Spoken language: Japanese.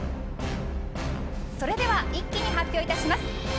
それでは一気に発表いたします。